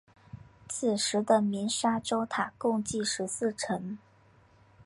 此时的鸣沙洲塔共计十四层。